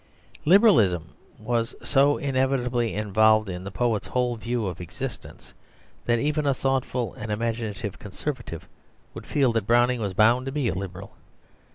Liberalism was so inevitably involved in the poet's whole view of existence, that even a thoughtful and imaginative Conservative would feel that Browning was bound to be a Liberal.